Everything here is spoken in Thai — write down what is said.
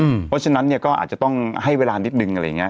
เพราะฉะนั้นเนี่ยก็อาจจะต้องให้เวลานิดนึงอะไรอย่างนี้